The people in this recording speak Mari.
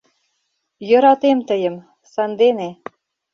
Йӧратем тыйым, сандене.